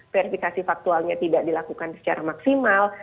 verifikasi faktualnya tidak dilakukan secara maksimal